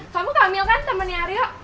kamu kamil kan temennya aryo